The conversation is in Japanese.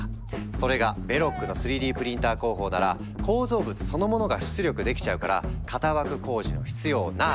それがベロックの３Ｄプリンター工法なら構造物そのものが出力できちゃうから型枠工事の必要なし！